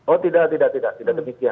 oh tidak tidak